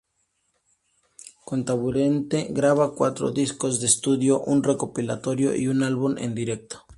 Con Taburiente graba cuatro discos de estudio, un recopilatorio y un álbum en directo.